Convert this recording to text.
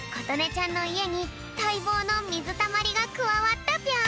ちゃんのいえにたいぼうのみずたまりがくわわったぴょん！